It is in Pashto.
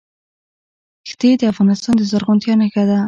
ښتې د افغانستان د زرغونتیا نښه ده.